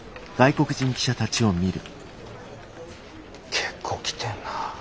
結構来てんな。